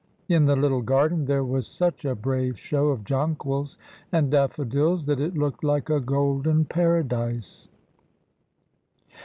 In the little garden there was such a brave show of jonquils and daffodils that it looked like a golden paradise.